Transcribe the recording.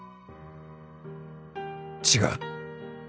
違う